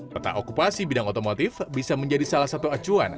peta okupasi bidang otomotif bisa menjadi salah satu acuan